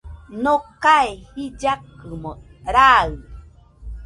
Nokae jillakɨmo raɨ